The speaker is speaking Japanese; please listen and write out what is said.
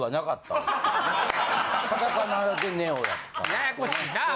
ややこしいなぁ！